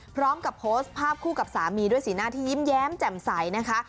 พร้อมกับโพสต์ภาพคู่กับสามีด้วยสีหน้าที่ยิ้มแย้มแจ่มใสนะคะ